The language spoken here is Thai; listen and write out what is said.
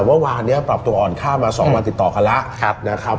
เมื่อวานปรับตัวอ่อนค่ามา๒มาติดต่อกันแล้ว